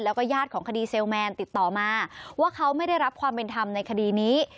แล้วก็ญาติของคดีเซลแมนติดต่อมาว่าเขาไม่ได้รับความเป็นธรรมในคดีนี้